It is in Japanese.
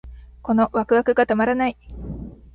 このワクワクがたまらない